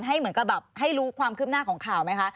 ให้รู้ความคืบหน้าของข่าวไหมคะ